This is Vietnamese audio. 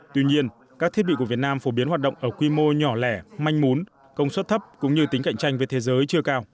tuy nhiên các thiết bị của việt nam phổ biến hoạt động ở quy mô nhỏ lẻ manh mún công suất thấp cũng như tính cạnh tranh với thế giới chưa cao